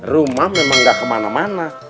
rumah memang gak kemana mana